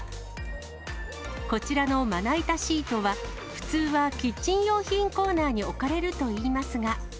こちらのまな板シートは、普通はキッチン用品コーナーに置かれるといいますが。